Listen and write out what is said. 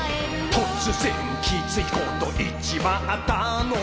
「とつぜんきついこと言っちまったのもきみが」